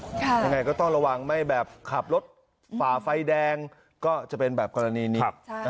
ยังไงก็ต้องระวังไม่แบบขับรถฝ่าไฟแดงก็จะเป็นแบบกรณีนี้